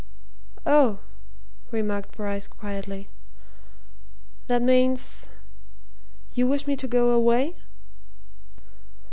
"Oh!" remarked Bryce quietly. "That means you wish me to go away?"